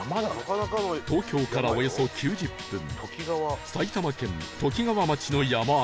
東京からおよそ９０分埼玉県ときがわ町の山あいの